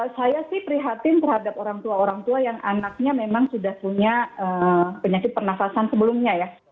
saya sih prihatin terhadap orang tua orang tua yang anaknya memang sudah punya penyakit pernafasan sebelumnya ya